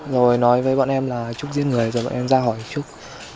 rồi nói với bọn em là trúc giết người rồi bọn em ra hỏi trúc